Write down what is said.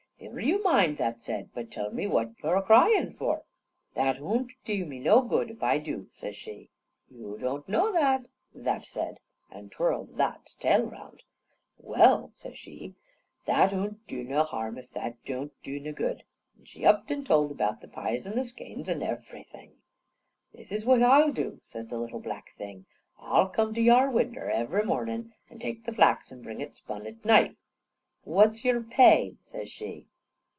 "Niver yew mind," that said, "but tell me what you're a cryin' for." "That oon't dew me noo good if I dew," says she. "Yew doon't know that," that said, an' twirled that's tail round. "Well," says she, "that oon't dew no harm, if that doon't dew no good," and she upped and told about the pies an' the skeins an' everything. "This is what I'll dew," says the little black thing: "I'll come to yar winder iv'ry mornin' an' take the flax an' bring it spun at night" "What's your pay?" says she.